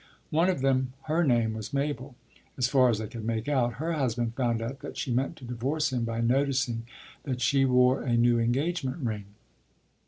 One of them her name was Mabel as far as I could make out, her husband found out that she meant to divorce him by noticing that she wore a new engagement ring.